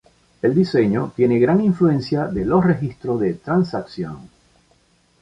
El diseño tiene gran influencia de los registros de transacción.